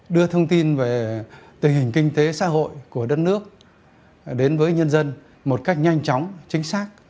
đưa thông tin về tình hình kinh tế xã hội của đất nước đến với nhân dân một cách nhanh chóng chính xác